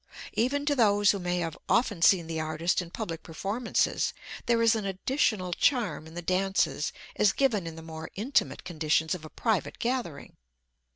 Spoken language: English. Even to those who may have often seen the artist in public performances, there is an additional charm in the dances as given in the more intimate conditions of a private gathering.